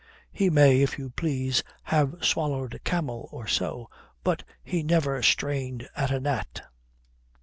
He may, if you please, have swallowed a camel or so, but he never strained at a gnat.